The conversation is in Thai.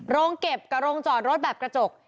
โรงเก็บกับโรงจอดรถแบบกระจก